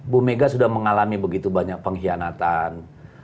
bu mega sudah mengalami begitu banyak pengkhianatan